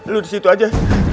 lo di situ aja